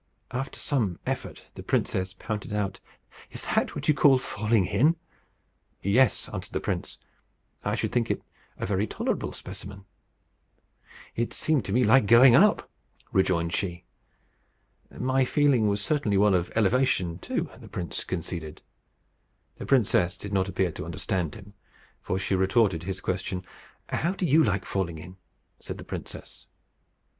After some effort the princess panted out, "Is that what you call falling in?" "Yes," answered the prince, "I should think it a very tolerable specimen." "It seemed to me like going up," rejoined she. "My feeling was certainly one of elevation too," the prince conceded. The princess did not appear to understand him, for she retorted his question: "How do you like falling in?" said the princess.